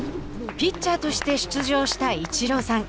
ピッチャーとして出場したイチローさん。